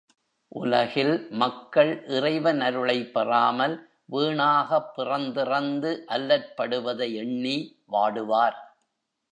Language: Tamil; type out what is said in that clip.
உலகில் மக்கள் இறைவன் அருளைப் பெறாமல் வீணாகப் பிறந்திறந்து அல்லற்படுவதை எண்ணி வாடுவார்.